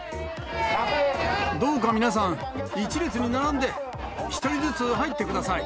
どうか皆さん、一列に並んで、１人ずつ入ってください。